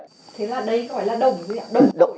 thế là đấy gọi là động gì ạ